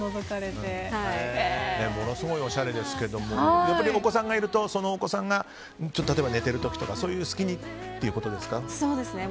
ものすごいおしゃれですけどもお子さんがいるとそのお子さんが寝てる時とかそういう隙にっていうことですか？